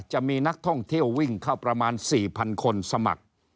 จะมีนักท่องเที่ยววิ่งเข้าประมาณ๔๐๐คนสมัคร